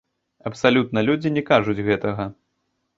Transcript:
Абсалютна людзі не кажуць гэтага.